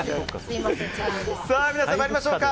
皆さん、参りましょうか。